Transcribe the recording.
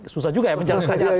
susah juga ya menjelaskannya